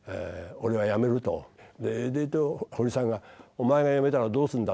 そうすると堀さんが「お前が辞めたらどうするんだ」と。